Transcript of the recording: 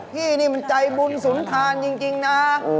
พี่นี่มันใจบุญสุนทานจริงนะ